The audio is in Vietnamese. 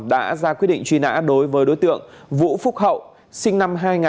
đã ra quyết định truy nã đối với đối tượng vũ phúc hậu sinh năm hai nghìn